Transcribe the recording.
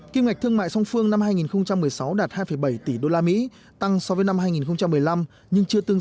kim ngạch thương mại song phương năm hai nghìn một mươi sáu đạt hai bảy tỷ usd tăng so với năm hai nghìn một mươi năm nhưng chưa tương